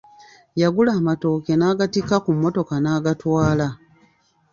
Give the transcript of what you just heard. Yagula amatooke nebagattika ku mmotoka n'agatwala.